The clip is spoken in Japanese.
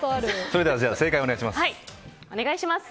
それでは正解をお願いします。